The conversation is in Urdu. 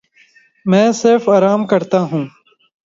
میں صرف آرام کرتا ہوں۔